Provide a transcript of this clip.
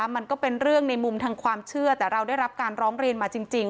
มันก็เป็นเรื่องในมุมทางความเชื่อแต่เราได้รับการร้องเรียนมาจริง